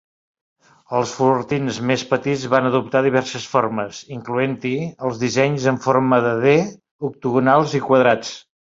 Els fortins més petits van adoptar diverses formes, incloent-hi els dissenys amb forma de D, octogonals i quadrats.